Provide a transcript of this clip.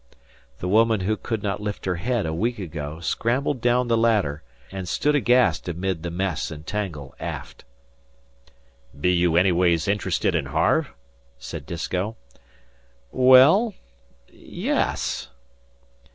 The woman who could not lift her head a week ago scrambled down the ladder, and stood aghast amid the mess and tangle aft. "Be you anyways interested in Harve?" said Disko. "Well, ye es."